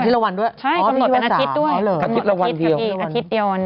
อำนวจเป็นอาทิตย์ด้วย